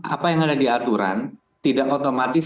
apa yang ada di aturan tidak otomatis